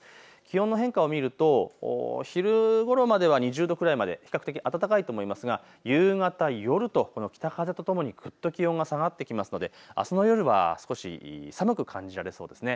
気温の変化を見ると昼ごろまでは２０度くらいまで比較的暖かいと思いますが夕方、夜とこの北風とともにぐっと気温が下がってきますのであすの夜は少し寒く感じられそうですね。